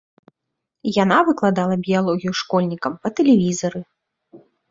Яна выкладала біялогію школьнікам па тэлевізары.